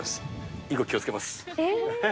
以後、気をつけます。